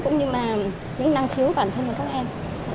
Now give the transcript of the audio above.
cũng như là những năng khiếu bản thân của các em